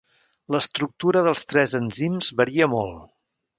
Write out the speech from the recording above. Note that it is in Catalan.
L'estructura dels tres enzims varia molt.